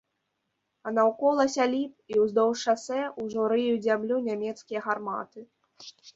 А наўкола сяліб і ўздоўж шасэ ўжо рыюць зямлю нямецкія гарматы.